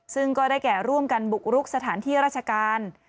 ซึ่งก็ได้แก่ร่วมกันบุกรุกสถานที่ราชการ